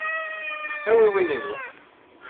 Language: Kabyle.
Awi win-inu.